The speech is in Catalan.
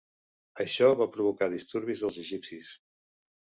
Això va provocar disturbis dels egipcis.